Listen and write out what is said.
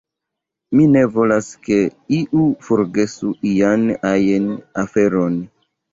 Mi ne volas ke iu forgesu ian ajn aferon.